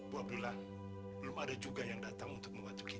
gue bilang belum ada juga yang datang untuk membantu kita